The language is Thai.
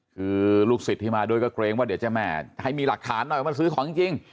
คือลูกศิษย์ที่มาด้วยก็เกรงว่าเดี๋ยวจะแม่ให้มีหลักฐานหน่อยมาซื้อของจริง